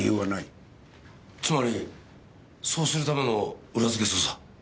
つまりそうするための裏づけ捜査。